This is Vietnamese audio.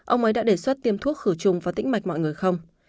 ông ấy đã đề xuất tiêm thuốc khử trùng và tĩnh mạch mọi người không